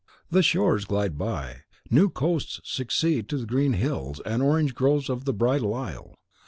The shores glide by; new coasts succeed to the green hills and orange groves of the Bridal Isle.